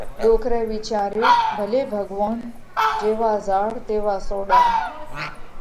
ڏوڪرئہ وِيچاريو: ڀلي ڀڳوونَ، جيوا زهاڙ، تيوا سوڏا۔